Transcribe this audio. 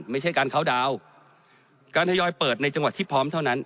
ไม่ใช่การเคาน์ดาวน์การทยอยเปิดในจังหวัดที่พร้อมเท่านั้น